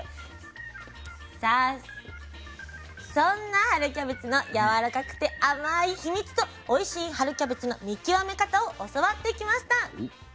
さあそんな春キャベツのやわらかくて甘い秘密とおいしい春キャベツの見極め方を教わってきました。